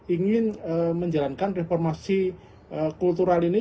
ingin menjalankan reformasi kultural ini